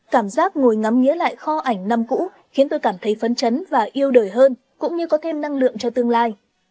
cảm giác ngồi ngắm nghĩa lại kho ảnh năm cũ khiến tôi cảm thấy phấn chấn và yêu đời hơn cũng như có thêm năng lượng cho tương lai